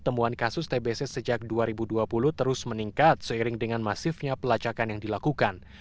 temuan kasus tbc sejak dua ribu dua puluh terus meningkat seiring dengan masifnya pelacakan yang dilakukan